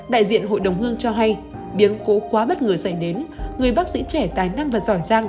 đại diện hội đồng hương cho hay biến cố quá bất ngờ xảy đến người bác sĩ trẻ tài năng và giỏi giang